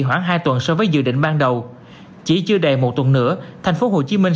khoảng hai tuần so với dự định ban đầu chỉ chưa đầy một tuần nữa thành phố hồ chí minh